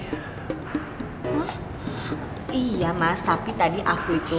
hah iya mas tapi tadi aku itu